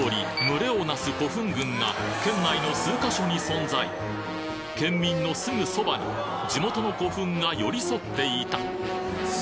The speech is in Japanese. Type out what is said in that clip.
群れをなす古墳群が県内の数か所に存在県民のすぐそばに地元の古墳が寄り添っていた